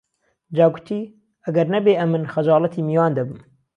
جا کوتی: ئەگەر نەبێ ئەمن خەجاڵەتی میوان دەبم